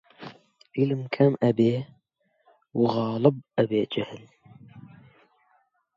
عیلم کەم ئەبێ و غاڵب ئەبێ جەهل